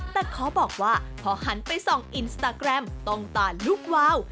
แต่ขอบอกว่าพอหันไปส่องอินสตาแกรมต้องตาลุกวาว